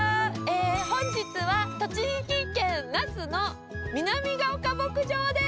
本日は、栃木県・那須の南ヶ丘牧場でーす。